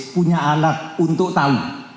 punya alat untuk tahu